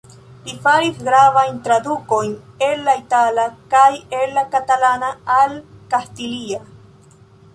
Li faris gravajn tradukojn el la itala kaj el la kataluna al kastilia.